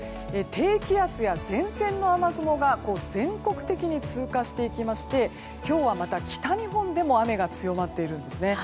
低気圧や前線の雨雲が全国的に通過していきまして今日はまた北日本でも雨が強まっているんですね。